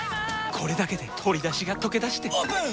これだけで鶏だしがとけだしてオープン！